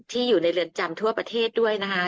อยู่ในเรือนจำทั่วประเทศด้วยนะคะ